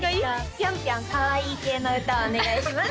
ぴょんぴょんかわいい系の歌をお願いします